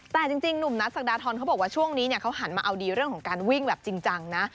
แต่จริงหนุ่มนัทศักดาทรเขาบอกว่าช่วงนี้เขาหันมาเอาดีเรื่องของการวิ่งแบบจริงจังนะ